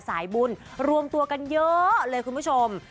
สายบุญรวมตัวกันเยอะเลยคุณผู้ชม